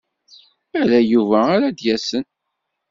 Ala Yuba ara d-yasen.